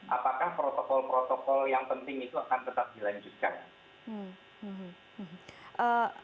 apakah protokol protokol yang penting itu akan tetap dilanjutkan